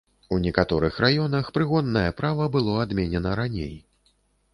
У некаторых раёнах прыгоннае права было адменена раней.